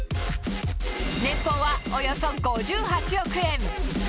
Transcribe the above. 年俸はおよそ５８億円。